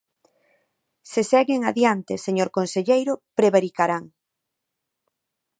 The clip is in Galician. Se seguen adiante, señor conselleiro, prevaricarán.